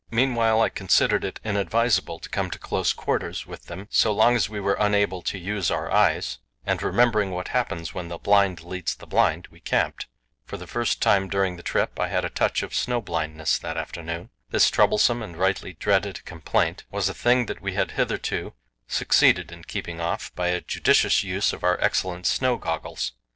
Meanwhile I considered it inadvisable to come to close quarters with them so long as we were unable to use our eyes, and, remembering what happens when the blind leads the blind, we camped. For the first time during the trip I had a touch of snow blindness that afternoon. This troublesome and rightly dreaded complaint was a thing that we had hitherto succeeded in keeping off by a judicious use of our excellent snow goggles.